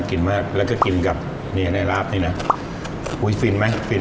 พอเขาปลูกเองเนี่ยครับผมโอ้โห้ย